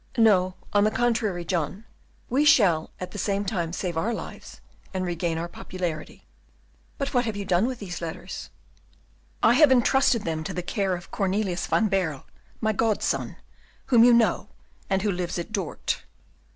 "No, on the contrary, John, we shall at the same time save our lives and regain our popularity." "But what have you done with these letters?" "I have intrusted them to the care of Cornelius van Baerle, my godson, whom you know, and who lives at Dort."